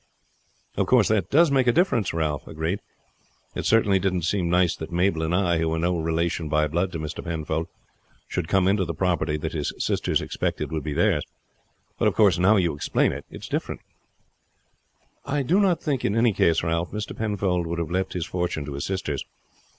"Of course that makes a difference," Ralph agreed; "it certainly didn't seem nice that Mabel and I, who are no relation by blood to Mr. Penfold, should come into the property that his sisters expected would be theirs. But, of course, now you explain it, it is different." "I do not think in any case, Ralph, Mr. Penfold would have left his fortune to his sisters.